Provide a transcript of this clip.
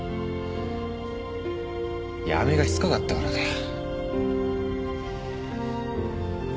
八女がしつこかったからだよ。